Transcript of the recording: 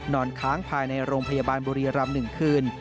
นอนค้างภายในโรงพยาบาลบุรีรำ๑คืน